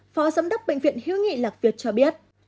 phó giám đốc bệnh viện hữu nghị lạc việt cho biết